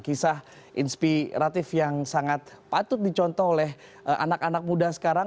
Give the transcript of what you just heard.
kisah inspiratif yang sangat patut dicontoh oleh anak anak muda sekarang